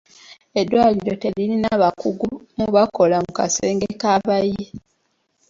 Eddwaliro teririna bakugu mu bakola mu kasenge k'abayi.